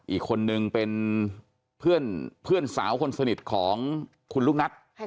อีกคนนึงเป็นเพื่อนสาวคนสนิทของคุณลูกนัท